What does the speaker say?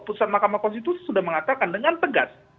putusan mahkamah konstitusi sudah mengatakan dengan tegas